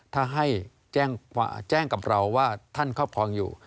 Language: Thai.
ถ้าให้แจ้งกับเราว่าท่านครอบครองอยู่